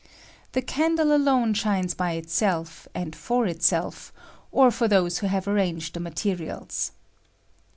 The candle alone shines by itself and for itself, or for those who have arranged the materials.